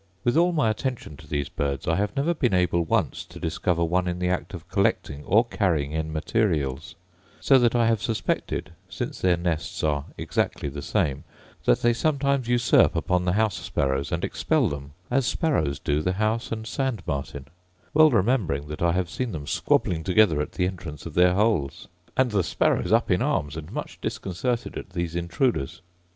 With all my attention to these birds, I have never been able once to discover one in the act of collecting or carrying in materials: so that I have suspected (since their nests are exactly the same) that they sometimes usurp upon the house sparrows, and expel them, as sparrows do the house and sand martin; well remembering that I have seen them squabbling together at the entrance of their holes; and the sparrows up in arms, and much disconcerted at these intruders.